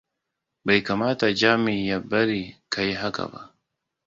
Bai kamata Jami ya bari ka yi haka ba.